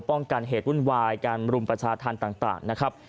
ป้องกันเหตุวุ่นวายการรุมประชาธรรมต่างนะครับ